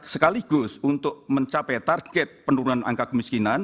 sekaligus untuk mencapai target penurunan angka kemiskinan